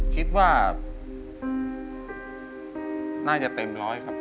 คิดว่าน่าจะเต็มร้อยครับ